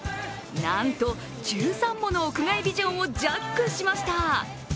なんと、１３もの屋外ビジョンをジャックしました。